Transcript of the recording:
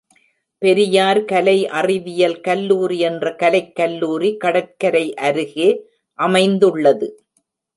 பெரியார் கலை அறிவியல் கல்லூரி என்ற கலைக் கல்லூரி கடற்கரை அருகே அமைந்துள்ளது.